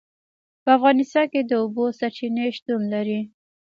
په افغانستان کې د اوبو سرچینې شتون لري.